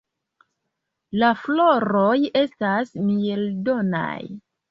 La floroj estas mieldonaj.